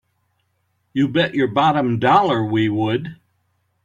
You bet your bottom dollar we would!